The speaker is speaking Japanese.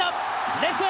レフトへ！